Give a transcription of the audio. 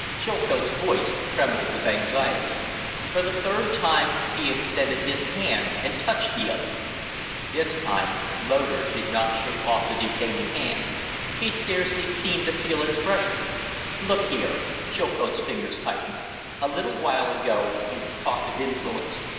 Chilcote's voice trembled with anxiety. For the third time he extended his hand and touched the other. This time Loder did not shake off the detaining; hand; he scarcely seemed to feel its pressure. "Look here." Chilcote's fingers tightened. "A little while ago you talked of influence.